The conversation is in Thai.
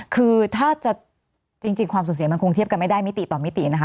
คือถ้าจะจริงความสูญเสียมันคงเทียบกันไม่ได้มิติต่อมิตินะคะ